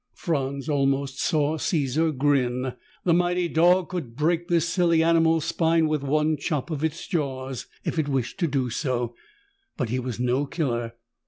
Franz almost saw Caesar grin. The mighty dog could break this silly animal's spine with one chop of his jaws, if he wished to do so, but he was no killer.